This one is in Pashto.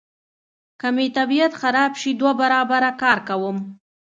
که مې طبیعت خراب شي دوه برابره کار کوم.